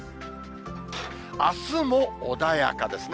あすも穏やかですね。